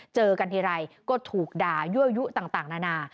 เจอกันทีไรก็ถูกด่ายั่วยุต่างนานา